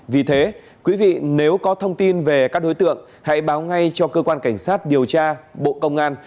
vì thế quý vị nếu có thông tin về các đối tượng hãy báo ngay cho cơ quan cảnh sát điều tra bộ công an